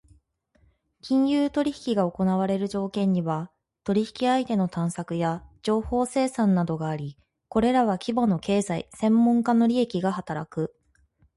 金融取引が行われる条件には、取引相手の探索や情報生産などがあり、これらは規模の経済・専門家の利益が働く。